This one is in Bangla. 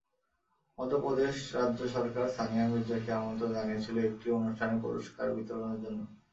মধ্যপ্রদেশ রাজ্য সরকার সানিয়া মির্জাকে আমন্ত্রণ জানিয়েছিল একটি অনুষ্ঠানে পুরস্কার বিতরণের জন্য।